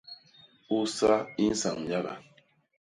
Usa i nsañ nyaga.